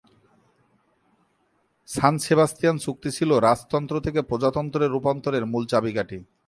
সান Sebastian চুক্তি ছিল রাজতন্ত্র থেকে প্রজাতন্ত্রের রূপান্তরের মূল চাবিকাঠি।